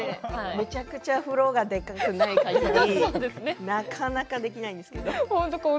めちゃくちゃ風呂がでかくないかぎりなかなかできないですけれど。